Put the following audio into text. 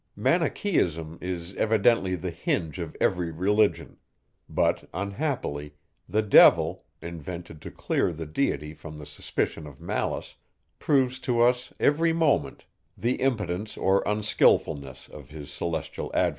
Manicheism is evidently the hinge of every religion; but unhappily, the devil, invented to clear the deity from the suspicion of malice, proves to us, every moment, the impotence or unskilfulness of his celestial adversary.